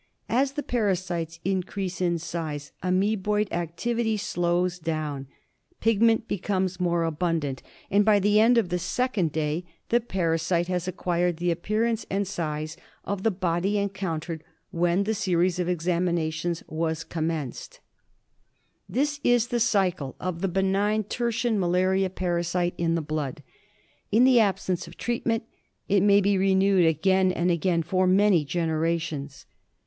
As the parasites ^^^^^^^^^^^^^Kt' increase amceboid ^^^^^r activity slows down, pigment ^^^K becomes more abundant, and V^^K nfe ^y ^^^^'^'^^^^ second day HP' the parasite has acquired the ■^ appearance and size of the body encountered when the series of examinations was commenced. This is the jcycle of the benign tertian malaria parasite in the blood. In the absence of treatment it may be renewed again and again and for many generations.